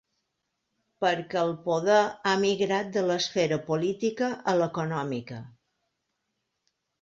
Perquè el poder ha migrat de l'esfera política a l'econòmica.